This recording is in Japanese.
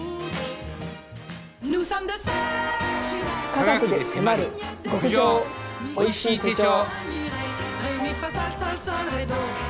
「科学でせまる極上おいしい手帖」。